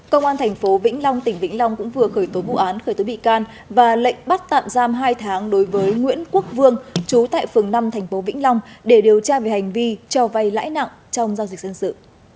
công an tp vĩnh long tỉnh vĩnh long cũng vừa khởi tố vụ án khởi tố bị can và lệnh bắt tạm giam hai tháng đối với nguyễn quốc vương chú tại phường năm tp vĩnh long để điều tra về hành vi cho vay lãi nặng trong giao dịch dân sự